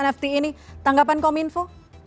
nft ini tanggapan kominfo